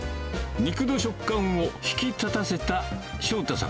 肉の食感を引き立たせた翔太さん